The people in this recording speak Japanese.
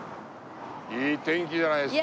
いい天気じゃないですか。